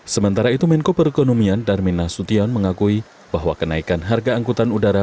sementara itu menko perekonomian darmin nasution mengakui bahwa kenaikan harga angkutan udara